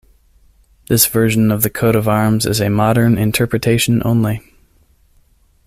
This version of the coat of arms is a modern interpretation only.